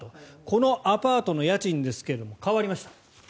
このアパートの家賃ですが変わりました。